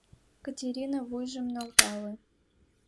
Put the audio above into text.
Катерина вуйжым нӧлтале.